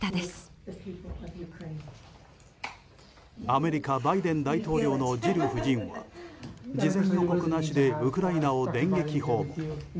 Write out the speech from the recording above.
アメリカバイデン大統領のジル夫人は事前予告なしでウクライナを電撃訪問。